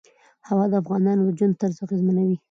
هوا د افغانانو د ژوند طرز اغېزمنوي.